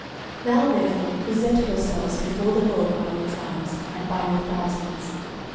Now therefore present yourselves before the LORD by your tribes, and by your thousands.